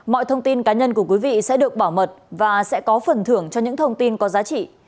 mọi thông tin cá nhân của quý vị sẽ được bảo mật và sẽ có phần thưởng cho những thông tin có giá trị